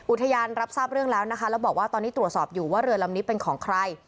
รับทราบเรื่องแล้วนะคะแล้วบอกว่าตอนนี้ตรวจสอบอยู่ว่าเรือลำนี้เป็นของใคร